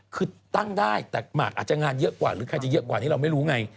คือตั้งได้แต่หมากอาจจะงานเยอะกว่าหรือใครจะเยอะกว่านี้เราไม่รู้ไง